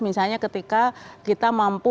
misalnya ketika kita mampu